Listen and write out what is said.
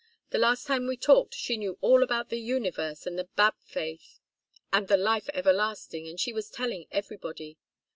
The last time we talked she knew all about the universe and the Bab faith and the life everlasting and she was telling everybody.